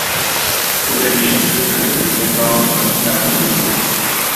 性别比是指族群中雄性的比率。